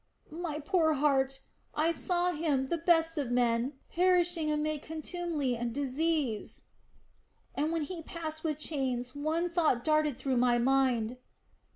My poor heart! I saw him, the best of men, perishing amid contumely and disease. "And when he passed with chains one thought darted through my mind...."